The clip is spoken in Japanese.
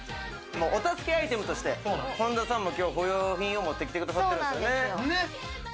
お助けアイテムとして本田さんも今日不用品を持ってきてくださってるんですよね。